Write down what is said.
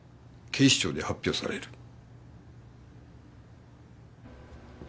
警視庁で発表される。